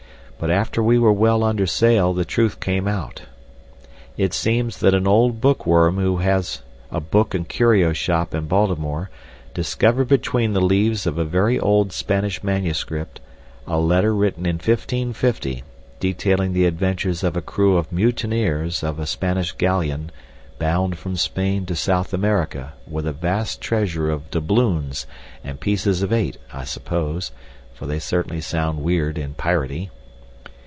But after we were well under sail the truth came out. It seems that an old bookworm who has a book and curio shop in Baltimore discovered between the leaves of a very old Spanish manuscript a letter written in 1550 detailing the adventures of a crew of mutineers of a Spanish galleon bound from Spain to South America with a vast treasure of "doubloons" and "pieces of eight," I suppose, for they certainly sound weird and piraty.